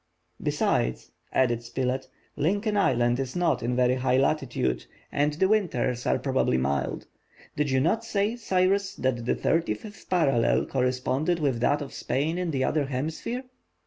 "Besides," added Spilett, "Lincoln Island is not in very high latitude, and the winters are probably mild. Did you not say, Cyrus that the thirty fifth parallel corresponded with that of Spain in the other hemisphere?"